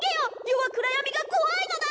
余は暗闇が怖いのだ！